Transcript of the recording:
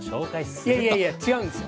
いやいやいや違うんですよ。